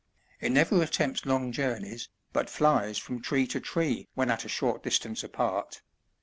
It never attempts long journeys, but flies from tree to tree when at a short distance apart.